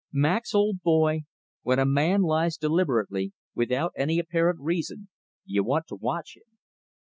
Max, old boy, when a man lies deliberately, without any apparent reason, you want to watch him."